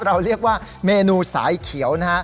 เราเรียกว่าเมนูสายเขียวนะฮะ